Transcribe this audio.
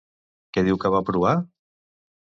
Què diu que va provar?